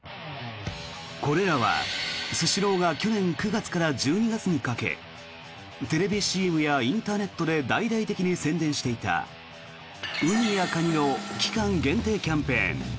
これらはスシローが去年９月から１２月にかけテレビＣＭやインターネットで大々的に宣伝していたウニやカニの期間限定キャンペーン。